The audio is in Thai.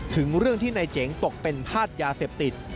ถึงเรื่องที่นายเจ๋งตกเป็นธาตุยาเสพติด